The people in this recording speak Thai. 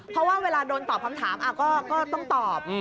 เพราะว่าเวลาโดนตอบคำถามก็ต้องตอบ